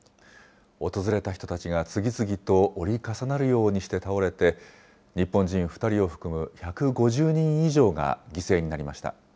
訪れた人たちが次々と折り重なるようにして倒れて、日本人２人を含む１５０人以上が犠牲になりました。